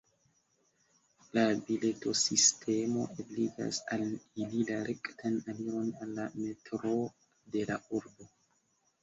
La biletosistemo ebligas al ili la rektan aliron al la metroo de la urbo.